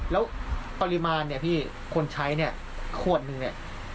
แล้วปริมาณเนี่ยพี่คนใช้เนี่ยขวดนึงเนี่ย